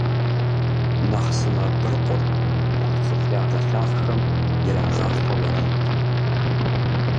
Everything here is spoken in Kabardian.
Махъсымэ быркъур нэхъ цӀыху ягъэлъахъшэм ирагъафэу арат.